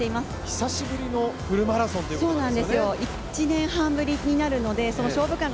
久しぶりのフルマラソンということなんですよね。